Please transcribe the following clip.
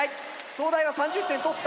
東大は３０点取った。